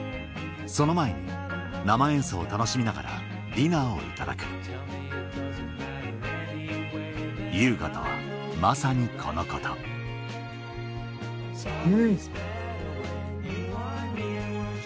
その前に生演奏を楽しみながらディナーをいただく優雅とはまさにこのことうん！